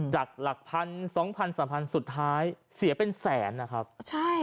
จากหลักพันธุ์๒๐๐๐๓๐๐๐บาทสุดท้ายเสียเป็นแสนนะครับใช่